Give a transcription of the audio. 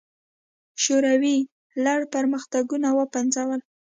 شوروي لړ پرمختګونه وپنځول.